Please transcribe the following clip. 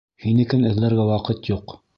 Һинекен эҙләргә ваҡыт юҡ!